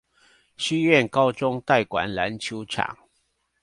西苑高中代管籃球場